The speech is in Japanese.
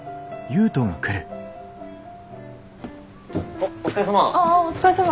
おっお疲れさま。